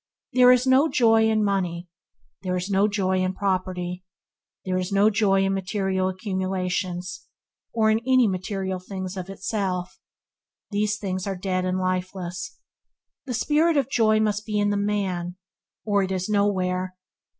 There is no joy in money, there is no joy in property, there is no joy in material accumulations or in any material things of itself. These things are dead and lifeless. The spirit of joy must be in the man or it is nowhere.